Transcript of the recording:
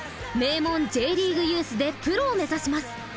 名門Ｊリーグユースでプロを目指します。